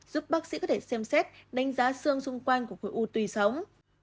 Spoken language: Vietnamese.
giúp bác sĩ có thể xem xét đánh giá xương xung quanh của khối u tùy sống